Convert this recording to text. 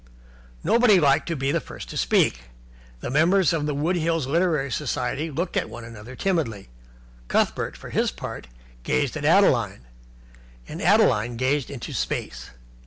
Nobody liked to be the first to speak. The members of the Wood Hills Literary Society looked at one another timidly. Cuthbert, for his part, gazed at Adeline; and Adeline gazed into space.